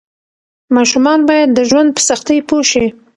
ماشومان باید د ژوند په سختۍ پوه شي.